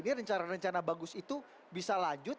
ini rencana rencana bagus itu bisa lanjut